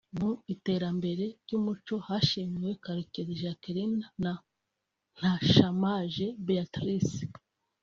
Mu iterambere ry’umuco hashimiwe Karekezi Jacqueline na Ntashamaje Béatrice